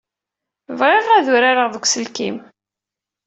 Bɣiɣ ad urareɣ deg uselkim.